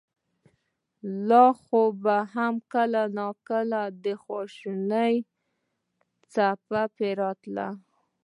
خو لا به هم کله کله د خواشينۍڅپه پرې راتله.